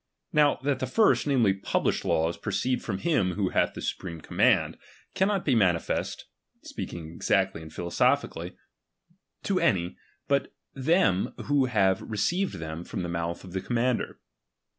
Now, that the first, namely, published laws, proceed from him who hath the supreme command, cannot be manifest (speaking exactly and philosophically) to any, but them who have received them from the mouth of the commander.